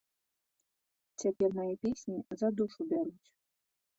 Цяпер мае песні за душу бяруць.